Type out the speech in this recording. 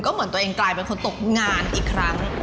เหมือนตัวเองกลายเป็นคนตกงานอีกครั้ง